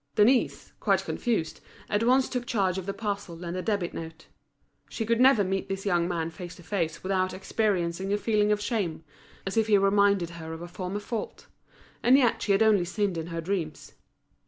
Denise, quite confused, at once took charge of the parcel and the debit note. She could never meet this young man face to face without experiencing a feeling of shame, as if he reminded her of a former fault; and yet she had only sinned in her dreams.